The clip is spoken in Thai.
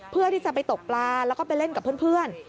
เพื่อที่จะไปตกปลาแล้วก็ไปเล่นกับเพื่อน